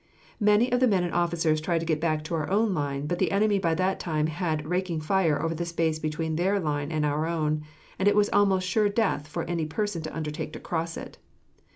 Many of the men and officers tried to get back to our own line, but the enemy by that time had a raking fire over the space between their line and our own, and it was almost sure death for any person to undertake to cross it.